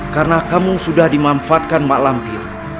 karena kamu sudah dimanfaatkan mak lampir